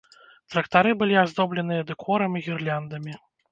Трактары былі аздобленыя дэкорам і гірляндамі.